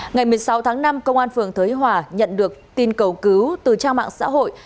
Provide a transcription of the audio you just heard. ngày một mươi sáu tháng năm công an phường thới hòa nhận được tin cầu cứu từ trang mạng xã hội